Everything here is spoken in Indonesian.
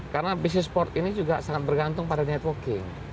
karena bisnis sport ini juga sangat bergantung pada networking